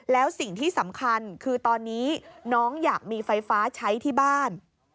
แล้วสิ่งที่สำคัญคือตอนนี้น้องอยากมีไฟฟ้าใช้ที่บ้าน